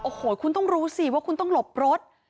โอ้โหคุณต้องรู้สิว่าคุณต้องหลบรถ